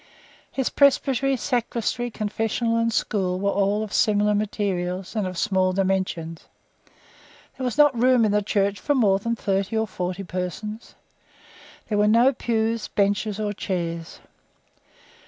His presbytery, sacristy, confessional, and school were all of similar materials, and of small dimensions. There was not room in the church for more than thirty or forty persons; there were no pews, benches, or chairs.